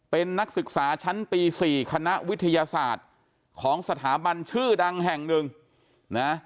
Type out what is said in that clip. เป็นนักศึกษาชั้นปี๔คณะวิทยาศาสตร์ของสถาบันชื่อดังแห่งหนึ่งนะ